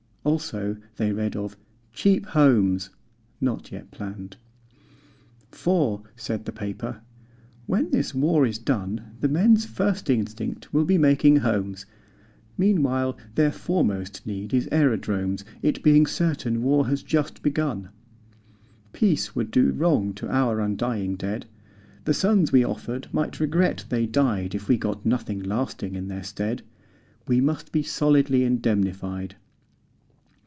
Also, they read of Cheap Homes, not yet planned; For, said the paper, "When this war is done The men's first instinct will be making homes. Meanwhile their foremost need is aerodromes, It being certain war has just begun. Peace would do wrong to our undying dead, The sons we offered might regret they died If we got nothing lasting in their stead. We must be solidly indemnified.